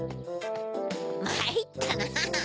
まいったなぁ。